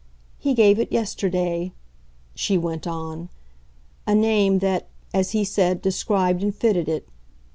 He gave it yesterday" she went on, "a name that, as, he said, described and fitted it.